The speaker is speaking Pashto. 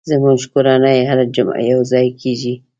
زموږ کورنۍ هره جمعه یو ځای کېږي.